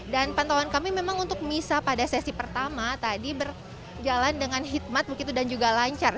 dan pantauan kami memang untuk misa pada sesi pertama tadi berjalan dengan hikmat dan juga lancar